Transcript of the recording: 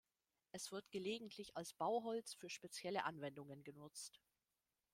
Es wird gelegentlich als Bauholz für spezielle Anwendungen genutzt.